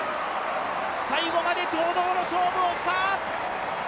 最後まで堂々の勝負をした！